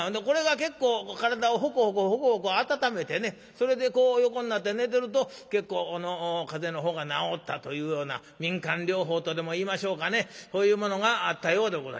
それでこう横になって寝てると結構風邪の方が治ったというような民間療法とでもいいましょうかねそういうものがあったようでございますな。